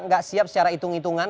nggak siap secara hitung hitungan